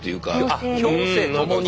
あっ共生共に。